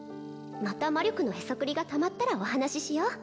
また魔力のヘソクリがたまったらお話ししよう